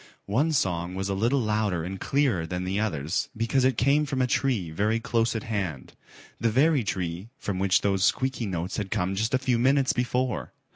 One song was a little louder and clearer than the others because it came from a tree very close at hand, the very tree from which those squeaky notes had come just a few minutes before.